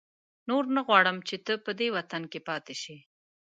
نور نه غواړم چې ته په دې وطن کې پاتې شې.